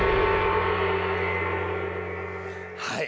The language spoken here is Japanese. はい。